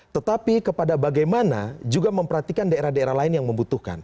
tetapi kepada bagaimana juga memperhatikan daerah daerah lain yang membutuhkan